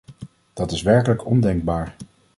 Dat is werkelijk ondenkbaar!